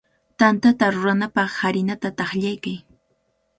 Tantata rurananpaq harinata taqllaykan.